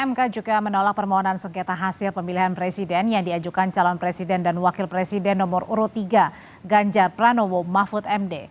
mk juga menolak permohonan sengketa hasil pemilihan presiden yang diajukan calon presiden dan wakil presiden nomor urut tiga ganjar pranowo mahfud md